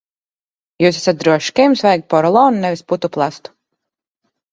Jūs esat drošs, ka jums vajag porolonu, nevis putuplastu?